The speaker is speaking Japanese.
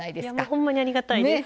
ほんまにありがたいです。ね！